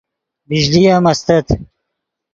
بجلی ام استت